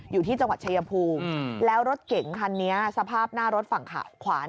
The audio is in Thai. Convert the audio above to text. อยู่ที่จังหวัดชายภูมิแล้วรถเก๋งคันนี้สภาพหน้ารถฝั่งขวา